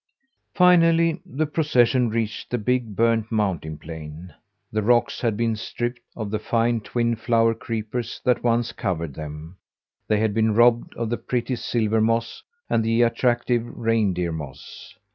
Finally, the procession reached the big, burnt mountain plain. The rocks had been stripped of the fine twin flower creepers that once covered them; they had been robbed of the pretty silver moss and the attractive reindeer moss.